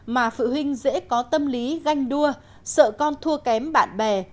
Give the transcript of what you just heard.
mà phụ huynh dễ có tâm lý ganh đua sợ con thua kém bạn bè